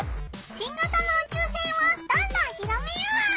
新型の宇宙せんをどんどん広めよう！